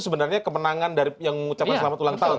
sebenarnya kemenangan dari yang mengucapkan selamat ulang tahun